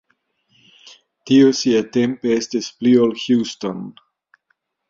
Tio siatempe estis pli ol Houston.